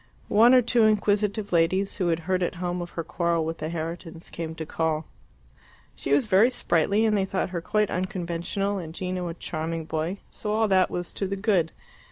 One or two inquisitive ladies, who had heard at home of her quarrel with the Herritons, came to call. She was very sprightly, and they thought her quite unconventional, and Gino a charming boy, so all that was to the good.